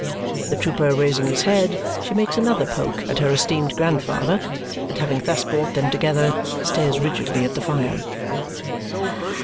The trooper raising his head, she makes another poke at her esteemed grandfather, and having thus brought them together, stares rigidly at the fire.